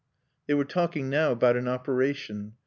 They were talking now about an operation.